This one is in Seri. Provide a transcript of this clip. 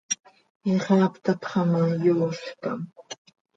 Ixaap tapxa ma, yoozcam.